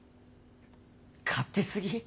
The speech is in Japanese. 勝手すぎ？